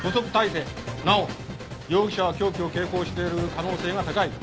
なお容疑者は凶器を携行している可能性が高い。